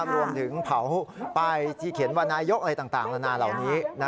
รวมถึงเผาป้ายที่เขียนว่านายกอะไรต่างนานาเหล่านี้